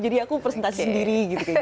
jadi aku presentasi sendiri